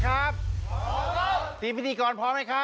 พรุ่งนี้๕สิงหาคมจะเป็นของใคร